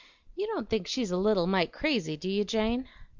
"You don't think she's a leetle mite crazy, do you, Jane?"